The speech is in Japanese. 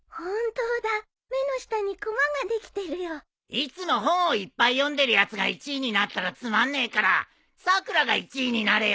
いつも本をいっぱい読んでるやつが１位になったらつまんねえからさくらが１位になれよ。